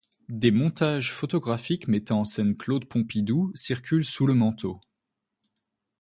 Des montages photographiques mettant en scène Claude Pompidou circulent sous le manteau.